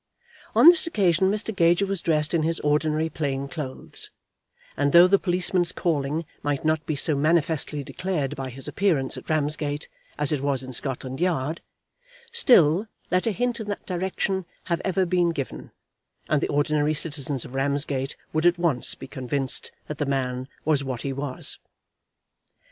On this occasion Mr. Gager was dressed in his ordinary plain clothes, and though the policeman's calling might not be so manifestly declared by his appearance at Ramsgate as it was in Scotland Yard, still, let a hint in that direction have ever been given, and the ordinary citizens of Ramsgate would at once be convinced that the man was what he was.